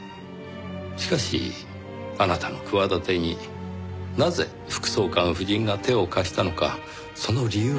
しかしあなたの企てになぜ副総監夫人が手を貸したのかその理由がわかりません。